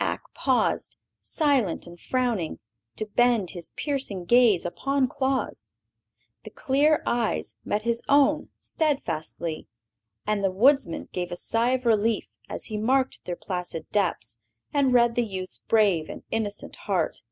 Ak paused, silent and frowning, to bend his piercing gaze upon Claus. The clear eyes met his own steadfastly, and the Woodsman gave a sigh of relief as he marked their placid depths and read the youth's brave and innocent heart.